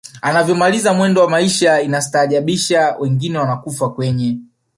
anavyomaliza mwendo wa maisha inastaadhajabisha wengine wanakufa kwenye